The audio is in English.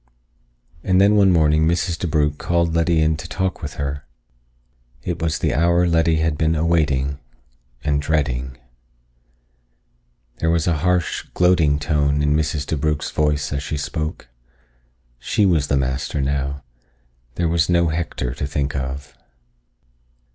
And then one morning Mrs. DeBrugh called Letty in to talk with her. It was the hour Letty had been awaiting and dreading. There was a harsh, gloating tone in Mrs. DeBrugh's voice as she spoke. She was the master now. There was no Hector to think of.